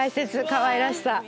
かわいらしさ。